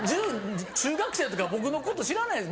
中学生とか僕のこと知らないです。